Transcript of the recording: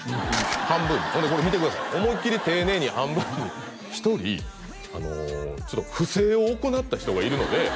半分にほんでこれ見てください思いっきり丁寧に半分に「１人ちょっと不正を行った人がいるので」